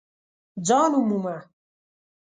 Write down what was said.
ځان ومومه !